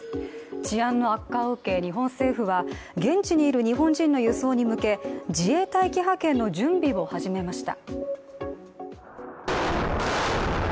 治安の悪化を受け日本政府は、現地にいる日本人の輸送に向け自衛隊機派遣の準備を始めました。